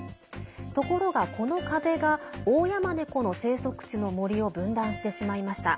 ところが、この壁がオオヤマネコの生息地の森を分断してしまいました。